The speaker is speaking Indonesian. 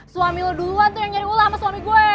suami lo duluan tuh yang nyari ulah sama suami gue